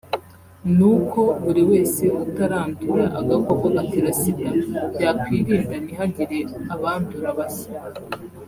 ni uko buri wese utarandura agakoko gatera sida yakwirinda ntihagire abandura bashya